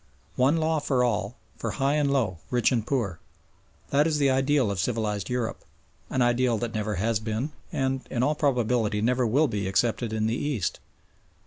One law for all, for high and low, rich and poor. That is the ideal of civilised Europe an ideal that never has been and in all probability never will be accepted in the East.